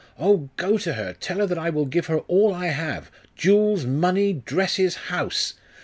Oh, go to her! Tell her that I will give her all I have jewels, money, dresses, house!